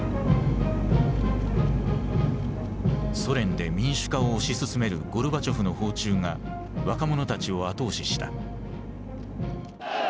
ソ連で民主化を推し進めるゴルバチョフの訪中が若者たちを後押しした。